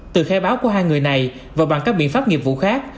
từ khai báo của hai người này và bằng các biện pháp nghiệp vụ khác